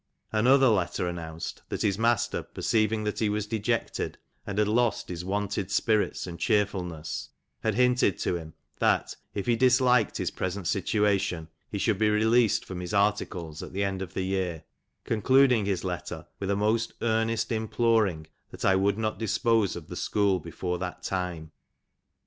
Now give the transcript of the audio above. "Another letter announced, that his master perceived that he was dejected, and had lost his wonted spirits and cheerfulness, had hinted to him, that if he disliked his present situation, he should be released at the end of the year; concluding his letter with a most earnest imploring that I would not dispose of the school before that time.